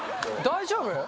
大丈夫？